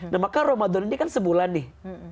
nah maka ramadan ini kan sebulan nih